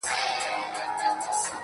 • زلفي راټال سي گراني.